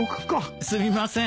すみません。